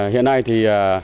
hiện nay thì